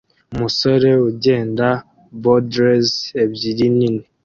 umusore ugenda poodles ebyiri nini